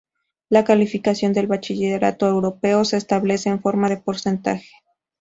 La calificación del bachillerato europeo se establece en forma de porcentaje.